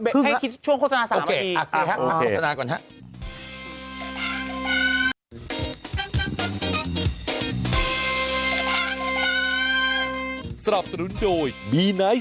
ให้คิดช่วงโฆษณา๓นาที